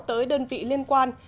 tới đơn vị liên quan